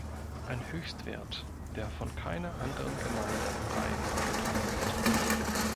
Ein Höchstwert, der von keiner anderen Gemeinde am Rhein übertroffen wird.